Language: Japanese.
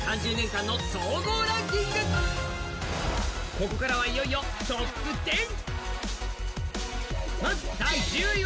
ここからは、いよいよトップ１０。